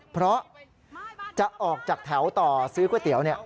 เพราะจะออกจากแถวต่อซื้อก๋วยเตี๋ยว